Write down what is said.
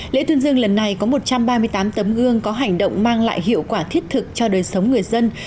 lễ tuyên dương lần này có một trăm ba mươi tám tấm gương có hành động mang lại hiệu quả thiết thực cho đời sống người dân